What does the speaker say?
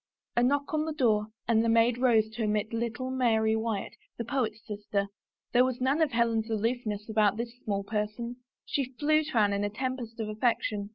A knock on the door and the maid rose to admit little Mary Wyatt, the poet's sister. There was none of Helen's aloofness about this small person; she flew to Anne in a tempest of affection.